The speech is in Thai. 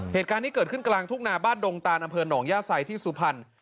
เหตุการณ์นี้เกิดขึ้นกลางทุ่งนาบ้านดงตานอำเภอหนองย่าไซที่สุพรรณ